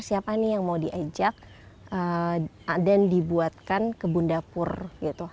siapa nih yang mau diajak dan dibuatkan kebun dapur gitu